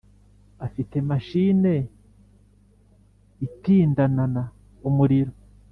afite machine itindanana umuriro